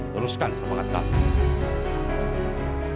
teruskan semangat kami